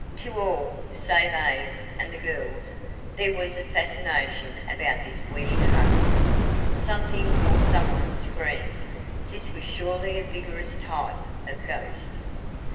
To all, save Abe and the girls, there was a fascination about this weird hunt. Something or some one screamed. This was surely a vigorous type of ghost.